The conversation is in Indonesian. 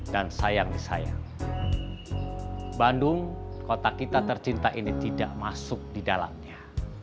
dan sayang sayang bandung kota kita tercinta ini tidak masuk di dalamnya